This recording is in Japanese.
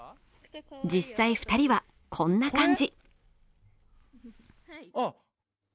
実際２人はこんな感じ。